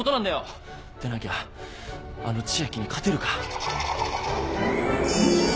でなきゃあの千秋に勝てるか。